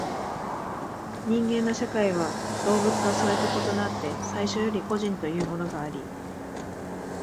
人間の社会は動物のそれと異なって最初より個人というものがあり、